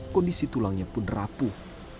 kondisi tulangnya pun rapuh